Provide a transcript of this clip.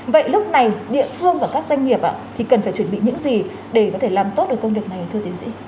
vậy lúc này địa phương và các doanh nghiệp thì cần phải chuẩn bị những gì để có thể làm tốt được công việc này thưa tiến sĩ